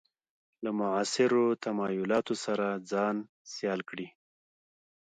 له معاصرو تمایلاتو سره ځان سیال کړي.